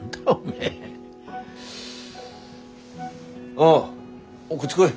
おうこっち来い。